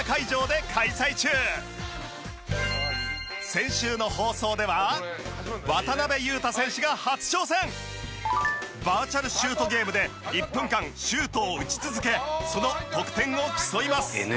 先週の放送ではバーチャル・シュートゲームで１分間シュートを打ち続けその得点を競います。